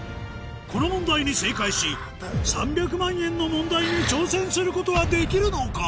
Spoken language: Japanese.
この問題に正解し３００万円の問題に挑戦することはできるのか？